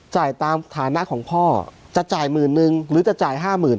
จ่ายตามฐานะของพ่อจะจ่ายหมื่นนึงหรือจะจ่ายห้าหมื่น